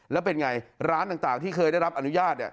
แล้วเป็นไงร้านต่างที่เคยได้รับอนุญาต